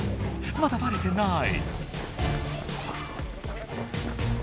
まだバレてない。